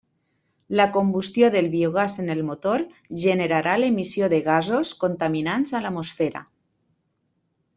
La combustió del biogàs en el motor generarà l'emissió de gasos contaminants a l'atmosfera.